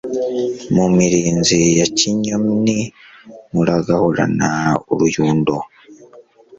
Mu mirinzi ya Kinyoni Muragahorana uruyundo